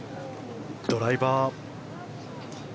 ドライバーです。